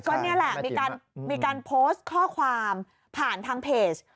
ก็นี่แหละมีการโพสต์ข้อความผ่านทางเพจ